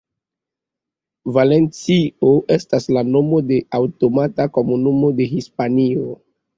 Valencio estas la nomo de aŭtonoma komunumo de Hispanio.